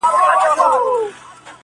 • څلوريځه.